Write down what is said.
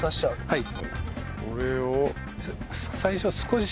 はい。